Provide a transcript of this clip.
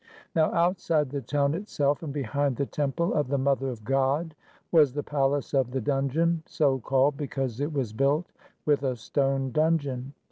Now, outside the town itself, and behind the temple of the Mother of God, was the palace of the dungeon, so called because it was built with a stone dun geon.